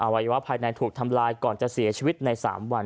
วัยวะภายในถูกทำลายก่อนจะเสียชีวิตใน๓วัน